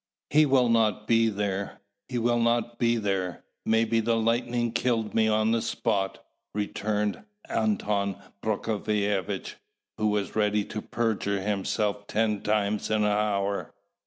"He will not be there, he will not be there! May the lightning kill me on the spot!" returned Anton Prokofievitch, who was ready to perjure himself ten times in an hour.